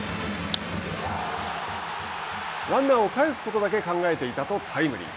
ランナーをかえすことだけを考えていたとタイムリー。